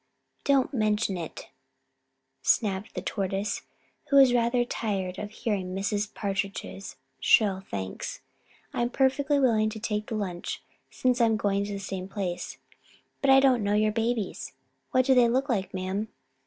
"Don't mention it," snapped the Tortoise, who was rather tired of hearing Mrs. Partridge's shrill thanks. "I'm perfectly willing to take the lunch, since I am going to the same place. But I don't know your babies. What do they look like, ma'am?"